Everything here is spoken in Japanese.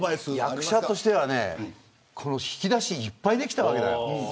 役者としては引き出しいっぱいできたわけ。